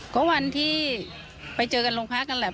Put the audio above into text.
ก็วันที่ไปเจอกันโรงพักนั่นแหละ